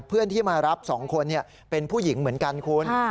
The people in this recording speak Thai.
เพื่อนที่มารับ๒คนเป็นผู้หญิงเหมือนกันคุณ